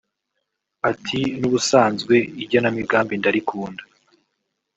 Ati “N’ubusanzwe igenamigambi ndarikunda